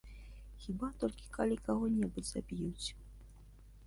Хіба толькі калі каго-небудзь заб'юць.